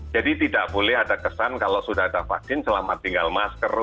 jadi tidak boleh ada kesan kalau sudah ada vaksin selamat tinggal masker